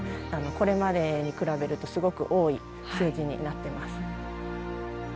これまでに比べるとすごく多い数字になってます。